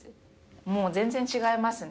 もう全然違いますね。